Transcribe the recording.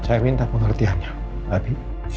saya minta pengertiannya abi